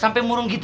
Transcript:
kalo aku udah biasa